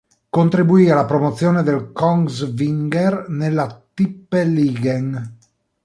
Contribuì alla promozione del Kongsvinger nella Tippeligaen.